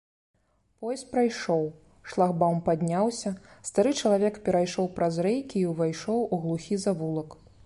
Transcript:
Поезд прайшоў, шлагбаум падняўся, стары чалавек перайшоў праз рэйкі і ўвайшоў у глухі завулак.